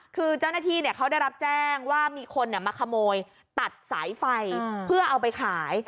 คือเจ้าหน้าที่เขาได้รับแจ้งว่ามีคนมาขโมยตัดสายไฟเพื่อเอาไปขาย